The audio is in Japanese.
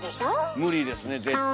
無理ですね絶対。